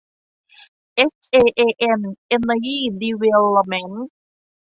เอสเอเอเอ็ม เอ็นเนอร์ยี่ ดีเวลลอปเมนท์